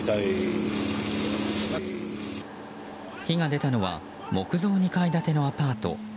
火が出たのは木造２階建てのアパート。